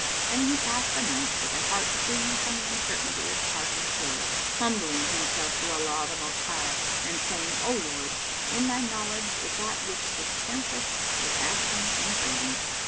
Then he passed the night with a heart free from the uncertainty[FN#555] of cark and care, humbling himself to Allah the Most High and saying, "O Lord, in Thy knowledge is that which dispenseth with asking and craving!"